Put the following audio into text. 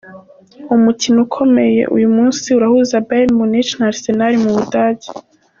Umukino ukomeye uyu munsi urahuza Bayern Munich na Arsenal mu Budage.